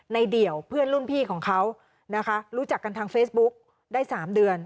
เดี่ยวเพื่อนรุ่นพี่ของเขานะคะรู้จักกันทางเฟซบุ๊กได้๓เดือน